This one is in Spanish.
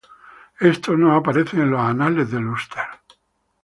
Estos no aparecen en los "Anales de Úlster.